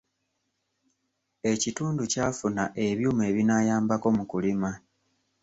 Ekitundu kyafuna ebyuma ebinaayambako mu kulima.